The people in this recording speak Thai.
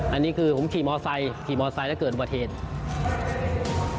อันนี้คือผมขี่มอเซ็นต์ขี่มอเซ็นต์แล้วเกิดวัดเหตุ